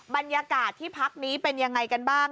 บรรยากาศที่พักนี้เป็นยังไงกันบ้าง